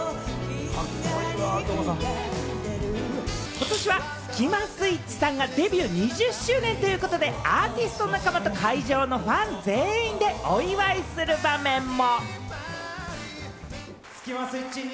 ことしはスキマスイッチさんがデビュー２０周年ということで、アーティスト仲間と会場のファン全員でお祝いする場面も。